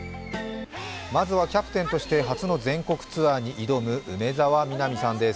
まずはキャプテンとして初の全国ツアーに挑む梅澤美波さんです。